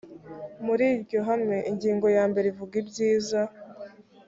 muri iryo hame ingingo ya mbere ivuga ibyiza